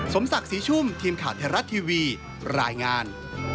สมศักดิ์ศรีชุ่มทีมข่าวไทยรัฐทีวีรายงาน